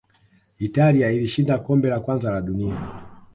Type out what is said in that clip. italia ilishinda kombe la kwanza la dunia